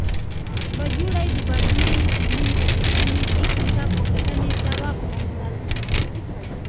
باجوړی د باجوړي د نوم په لیدو مې ذهن ته پوښتنې ځواب غوښتل.